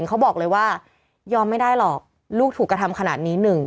เขาบอกเลยว่ายอมไม่ได้หรอกลูกถูกกระทำขนาดนี้หนึ่ง